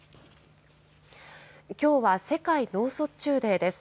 きょうは世界脳卒中デーです。